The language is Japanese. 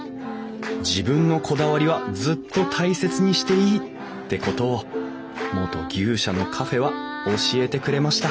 自分のこだわりはずっと大切にしていいってことを元牛舎のカフェは教えてくれました